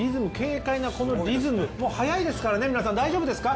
このリズムもう早いですからね皆さん大丈夫ですか？